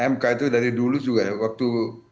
mk itu dari dulu juga ya waktu